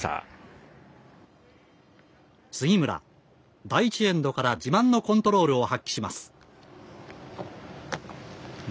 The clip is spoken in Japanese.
杉村、第１エンドから自慢のコントロールを発揮します。